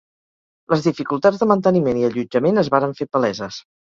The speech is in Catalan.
Les dificultats de manteniment i allotjament es varen fer paleses.